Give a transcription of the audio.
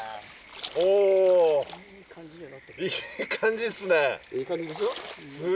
いい感じでしょ？